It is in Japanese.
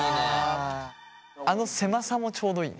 あの狭さもちょうどいいね。